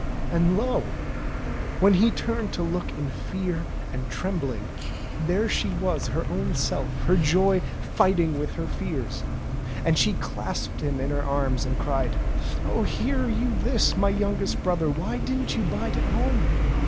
And lo ! when he turned to look in fear and trembling, there she was her own self, her joy fighting with her fears. And she clasped him in her arms and cried : 0h, hear you this, my youngest brother. Why didn't you bide at home